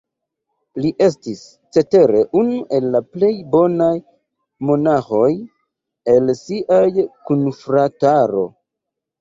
Li estis, cetere, unu el la plej bonaj monaĥoj el sia kunfrataro.